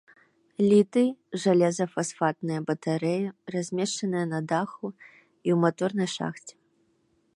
Літый-жалеза-фасфатныя батарэі размешчаныя на даху і ў маторнай шахце.